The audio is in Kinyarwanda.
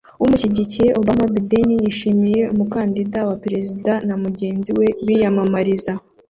Umushyigikiye Obama Biden yishimiye umukandida wa Perezida na mugenzi we biyamamariza